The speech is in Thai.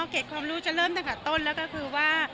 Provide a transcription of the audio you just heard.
เกรดความรู้จะเริ่มตั้งแต่ต้นแล้ว